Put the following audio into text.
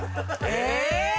え？